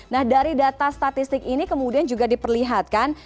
nah dari data statistik ini kemudian juga diperlihatkan